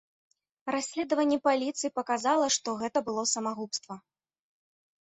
Расследаванне паліцыі паказала, што гэта было самагубства.